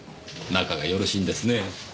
仲がよろしいんですね。